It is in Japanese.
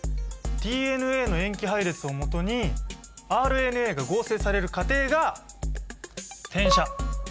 ＤＮＡの塩基配列をもとにＲＮＡが合成される過程が「転写」。